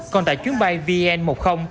còn tại chuyến bay vn một mươi